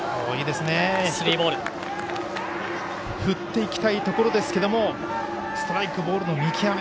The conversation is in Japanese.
振っていきたいところですけどもストライク、ボールの見極め。